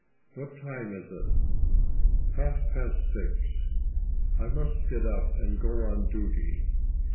"What time is it?" "Half past six." "I must get up and go on duty."